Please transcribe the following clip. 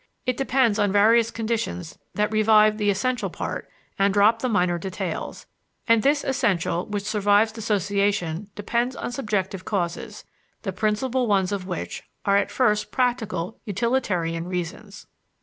It depends on various conditions that revive the essential part and drop the minor details, and this "essential" which survives dissociation depends on subjective causes, the principal ones of which are at first practical, utilitarian reasons.